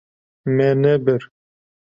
Me nebir.